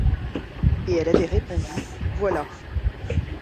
Et elle avait répondu: — Voilà.